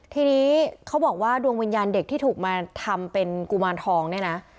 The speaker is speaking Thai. ทีนี้เขาบอกว่าดวงวิญญาณเด็กที่ถูกมาทำเป็นกุมารทองเนี่ยนะ